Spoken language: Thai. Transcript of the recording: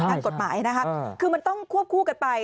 ด้านกฎหมายนะคะคือมันต้องควบคู่กันไป